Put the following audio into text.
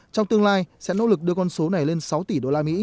trong tương lai sẽ nỗ lực đưa con số này lên sáu tỷ usd